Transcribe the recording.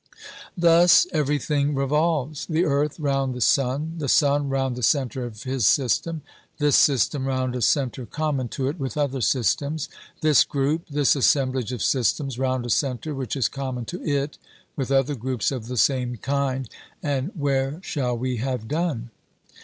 "Thus everything revolves the earth round the sun; the sun round the centre of his system; this system round a centre common to it with other systems; this group, this assemblage of systems, round a centre which is common to it with other groups of the same kind; and where shall we have done?"